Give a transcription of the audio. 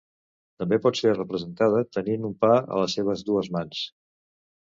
També pot ser representada tenint un pa a les seves dues mans.